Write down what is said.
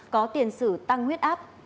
có tiền xử tăng huyết áp